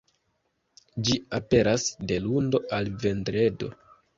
Ĝi aperas de lundo al vendredo.